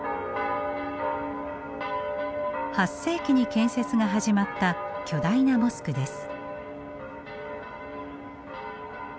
８世紀に建設が始まった巨大なモスクです。